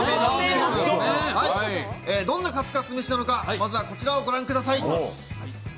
どんなカツカツ飯なのかまずはこちらをご覧ください。